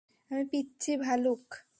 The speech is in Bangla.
আর পিচ্চি ভালুক।